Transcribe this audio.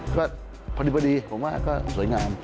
ก็พอดีผมว่าก็สวยงาม